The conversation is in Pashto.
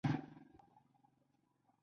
د دوی سیالي بیګا په ریاض کې